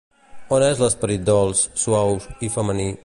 On és l'esperit dolç, suau i femení?